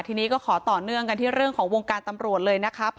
ทีนี้ก็ขอต่อเนื่องกันที่เรื่องของวงการตำรวจเลยนะครับ